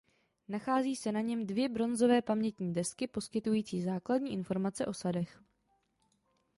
Nachází se na něm dvě bronzové pamětní desky poskytující základní informace o sadech.